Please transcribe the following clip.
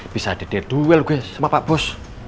bisa ada duel guys sama pak bos